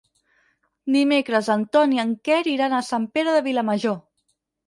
Dimecres en Ton i en Quer iran a Sant Pere de Vilamajor.